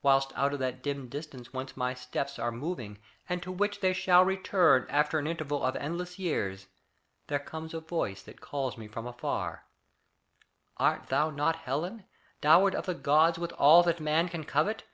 Whilst out of that dim distance whence my steps Are moving and to which they shall return After an interval of endless years, There comes a voice that calls me from afar: "Art thou not Helen, dowered of the gods With all that man can covet?